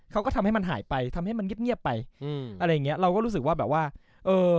เขาก็ทำให้มันหายไปทำให้มันเงียบเงียบไปอืมอะไรอย่างเงี้ยเราก็รู้สึกว่าแบบว่าเอ่อ